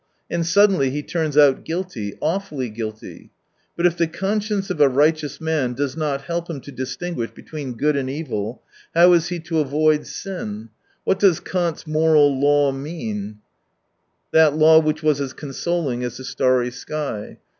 And suddenly he turns out guilty, awfully guilty. But if the conscience of a righteous man does not help him to distinguish between gt)od and evil, how is he to avoid sin ? What does Kant's moral law mean, that law which was as consoling as the starry sky